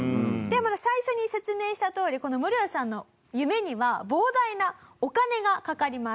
最初に説明したとおりこのムロヤさんの夢には膨大なお金がかかります。